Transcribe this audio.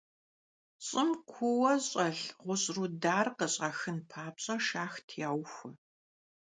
Ş'ım kuuue ş'elh ğuş' rudar khış'axın papş'e, şşaxt yauxue.